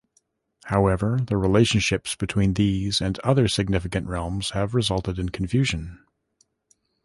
However the relationships between these and other significant realms have resulted in confusion.